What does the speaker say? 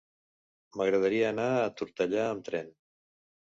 M'agradaria anar a Tortellà amb tren.